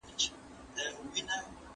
املا د وړتیاوو د لوړولو وسیله ده.